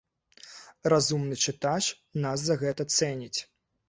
Разумны чытач нас за гэта цэніць.